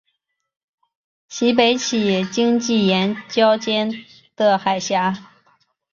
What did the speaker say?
其北起荆棘岩礁间的海峡。